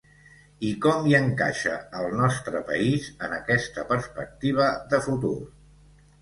I com hi encaixa, el nostre país, en aquesta perspectiva de futur?